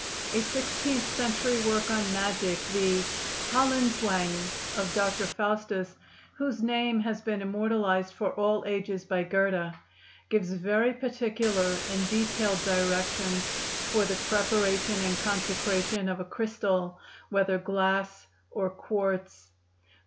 A sixteenth century work on magic, the "Höllenzwang" of Dr. Faustus, whose name has been immortalized for all ages by Goethe, gives very particular and detailed directions for the preparation and consecration of a crystal, whether glass or quartz.